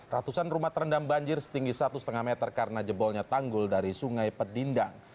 ratusan rumah terendam banjir setinggi satu lima meter karena jebolnya tanggul dari sungai pedindang